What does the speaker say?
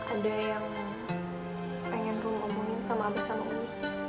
ada yang pengen rom omongin sama abah sama umi